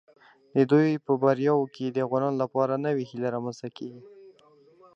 د دوی په بریاوو کې د افغانانو لپاره نوې هیله رامنځته کیږي.